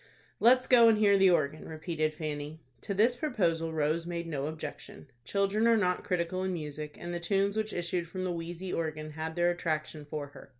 "Let's go and hear the organ," repeated Fanny. To this proposal Rose made no objection. Children are not critical in music, and the tunes which issued from the wheezy organ had their attraction for her.